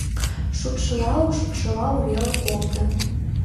Шупшылал-шупшылал веле колто.